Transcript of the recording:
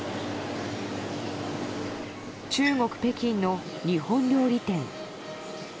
中国・北京の日本料理店。